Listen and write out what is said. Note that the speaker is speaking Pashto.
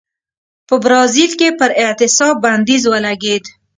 په برازیل کې پر اعتصاب بندیز ولګېد.